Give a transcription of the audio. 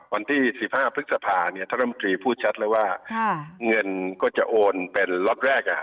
วันที่๑๕พฤษภาเนี่ยท่านรัฐมนตรีพูดชัดแล้วว่าเงินก็จะโอนเป็นล็อตแรก